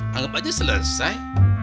anggap aja selesai